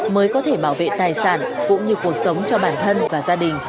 mới có thể bảo vệ tài sản cũng như cuộc sống cho bản thân và gia đình